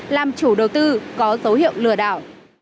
làm chủ đầu tư có dấu hiệu lừa đảo